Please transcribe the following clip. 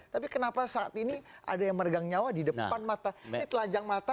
tapi kenapa saat ini ada yang meregang nyawa di depan mata ini telanjang mata